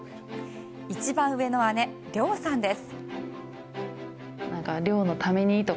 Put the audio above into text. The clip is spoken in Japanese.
一番上の姉・涼さんです。